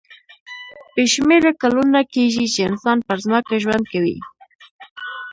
بې شمېره کلونه کېږي چې انسان پر ځمکه ژوند کوي.